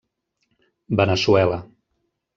Veneçuela.